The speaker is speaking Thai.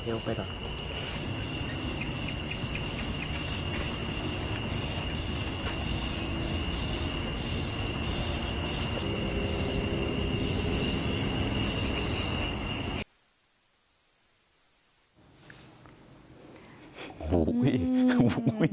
โอ้โหโอ้โห